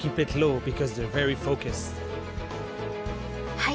［はい。